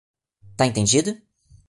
Tá entendido?